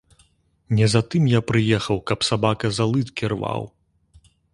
Не за тым я прыехаў, каб сабака за лыткі рваў.